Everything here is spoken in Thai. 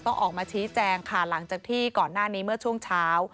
ออกมาชี้แจงค่ะหลังจากที่ก่อนหน้านี้เมื่อช่วงเช้า